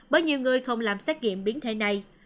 bởi nhiều người không làm xét nghiệm biến thể này